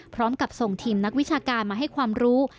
พร้อมกับส่งทีมนักวิชาการมาให้ความรู้